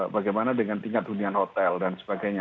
bagaimana dengan tingkat hunian hotel dan sebagainya